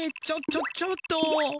ちょちょちょっと。